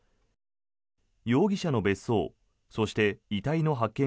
容疑者の別荘そして遺体の発見